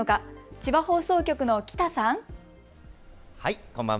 千葉放送局の喜多さん。